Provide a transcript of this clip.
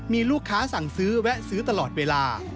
มีลูกค้าสั่งซื้อแวะซื้อตลอดเวลา